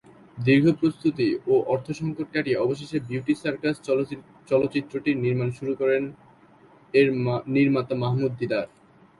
দীর্ঘ প্রস্তুতি ও অর্থ সংকট কাটিয়ে অবশেষে "বিউটি সার্কাস" চলচ্চিত্রটির নির্মাণ শুরু করেন এর নির্মাতা মাহমুদ দিদার।